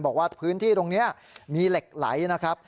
บอกว่าพื้นที่ตรงนี้มีเหล็กไหลนะครับ